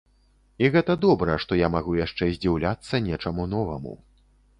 І гэта добра, што я магу яшчэ здзіўляцца нечаму новаму.